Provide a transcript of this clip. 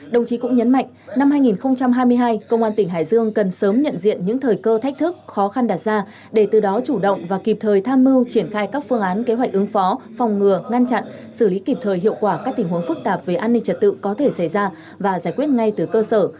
đồng chí cũng nhấn mạnh năm hai nghìn hai mươi hai công an tỉnh hải dương cần sớm nhận diện những thời cơ thách thức khó khăn đạt ra để từ đó chủ động và kịp thời tham mưu triển khai các phương án kế hoạch ứng phó phòng ngừa ngăn chặn xử lý kịp thời hiệu quả các tình huống phức tạp về an ninh trật tự có thể xảy ra và giải quyết ngay từ cơ sở